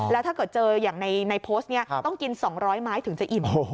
แล้วถ้าเกิดเจออย่างในโพสต์นี้ต้องกิน๒๐๐ไม้ถึงจะอิ่ม